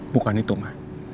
bukan itu ma